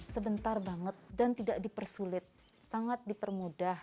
sebentar banget dan tidak dipersulit sangat dipermudah